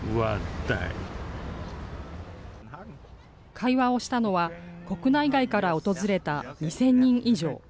会話をしたのは、国内外から訪れた２０００人以上。